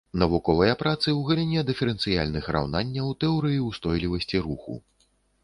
Навуковыя працы ў галіне дыферэнцыяльных раўнанняў, тэорыі ўстойлівасці руху.